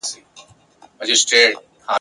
کله ورور کله مو زوی راته تربوری دی!.